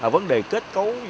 vấn đề kết cấu